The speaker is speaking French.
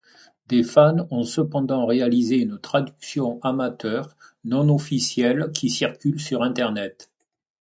Des fans ont cependant réalisé une traduction amateur non-officielle qui circule sur Internet.